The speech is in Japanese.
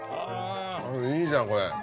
いいじゃんこれ。